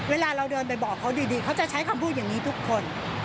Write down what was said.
เวลาเราเดินไปบอกเขาดีเขาจะใช้คำพูดอย่างนี้ทุกคน